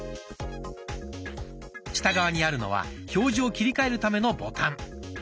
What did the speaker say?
下側にあるのは表示を切り替えるためのボタン。